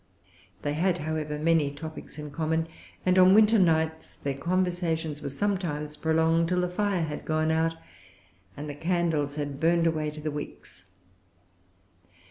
They had, however, many topics in common; and on winter nights their conversations were sometimes prolonged till the fire had gone out, and the candles had burned away to the wicks.